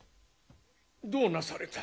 どうなされた？